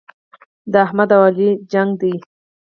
د احمد او علي لانجه ده.